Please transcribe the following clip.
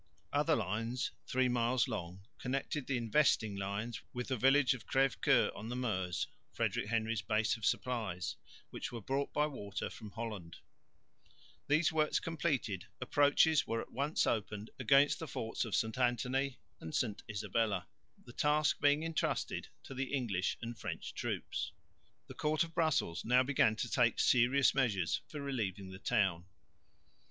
Other lines, three miles long, connected the investing lines with the village of Crèvecceur on the Meuse, Frederick Henry's base of supplies, which were brought by water from Holland. These works completed, approaches were at once opened against the forts of St Anthony and St Isabella, the task being entrusted to the English and French troops. The court of Brussels now began to take serious measures for relieving the town.